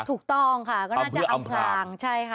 ถูกต้องค่ะก็น่าจะอำพลาง